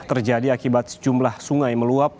terjadi akibat sejumlah sungai meluap